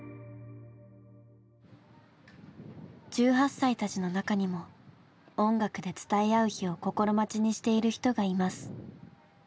１８歳たちの中にも音楽で伝え合う日を心待ちにしている人がいます。